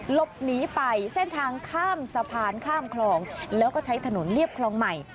หลบหนีไปเส้นทางข้ามสะพานข้ามคลองแล้วก็ใช้ถนนเรียบคลองใหม่